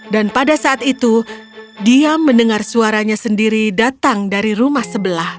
dan pada saat itu dia mendengar suaranya sendiri datang dari rumah sebelah